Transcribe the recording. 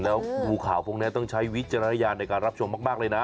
แล้วดูข่าวพวกนี้ต้องใช้วิจารณญาณในการรับชมมากเลยนะ